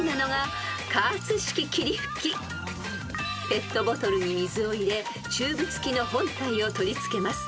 ［ペットボトルに水を入れチューブ付きの本体を取り付けます］